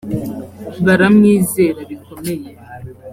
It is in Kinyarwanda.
baramwizera bikomeye.